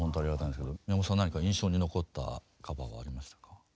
宮本さん何か印象に残ったカバーはありましたか？